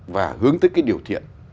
và hướng tới cái điều thiện